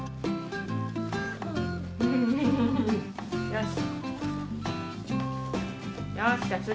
よし。